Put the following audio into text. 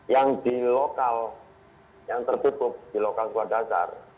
yang di lokal yang tertutup di lokal sekolah dasar